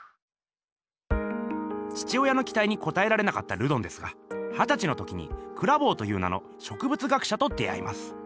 父親のきたいにこたえられなかったルドンですがはたちの時にクラヴォーという名の植物学者と出会います。